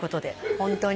本当に。